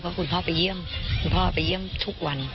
เพราะคุณพ่อไปเยี่ยมคุณพ่อไปเยี่ยมทุกวัน